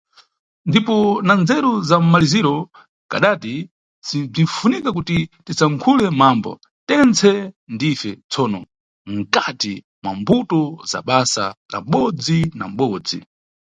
Ndipo na nzeru za mmaliziro kadati si bzinifunika kuti tisankhule mambo, tentse ndife, tsono mkati mwa mbuto na basa la mʼbodzi na mʼbodzi.